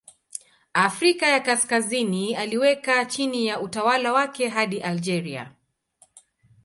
Afrika ya Kaskazini aliweka chini ya utawala wake hadi Algeria.